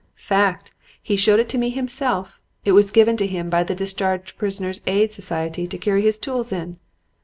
"'Fact. He showed it to me himself. It was given to him by the 'Discharged Prisoners' Aid Society' to carry his tools in.